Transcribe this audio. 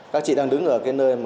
các chị đang đứng ở nơi